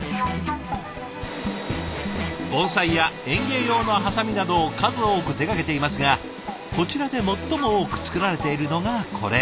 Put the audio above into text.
盆栽や園芸用のハサミなどを数多く手がけていますがこちらで最も多く作られているのがこれ。